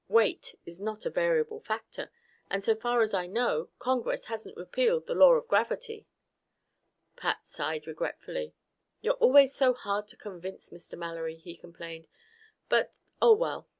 Weight is not a variable factor. And so far as I know, Congress hasn't repealed the Law of Gravity." Pat sighed regretfully. "You're always so hard to convince, Mr. Mallory," he complained. "But oh, well!